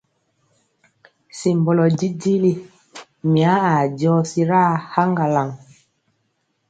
Simbɔlɔ jijili, mya aa jɔsi ɗaa haŋgalaŋ.